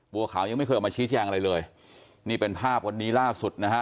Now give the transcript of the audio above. บัวขาวยังไม่เคยออกมาชี้แจงอะไรเลยนี่เป็นภาพวันนี้ล่าสุดนะฮะ